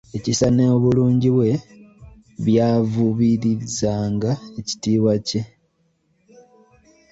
Ekisa n'obulungi bwe byavubirizanga ekitiibwa kye.